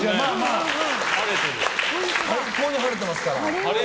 最高に晴れてますから。